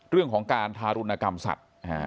เรื่องของการทารุณกรรมสัตว์